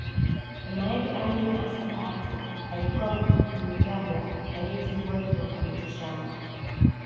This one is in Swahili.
Mama yake Amin Assa Aatte alikuwa Mlugbara aliyetibu watu kwa mitishamba